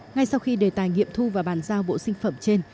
ngay sau khi đề tài nghiệm thu và bàn giao bộ sinh phẩm trên